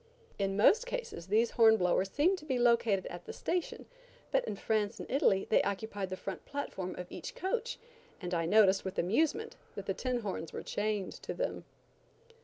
In most cases these horn blowers seemed to be located at the station, but in France and Italy they occupied the front platform of a coach, and I noticed, with amusement, that the tin horns were chained to them.